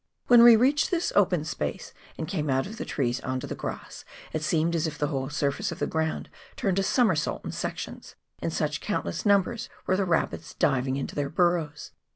When we reached this open space and came out of the trees on to the grass, it seemed as if the whole surface of the ground turned a somersault in sections — in such countless numbers were the rabbits diving into their burrows.